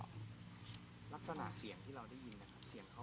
ลักษณะเสียงที่เราได้ยินนะครับเสียงเขาเสียงเล็กเสียงใหญ่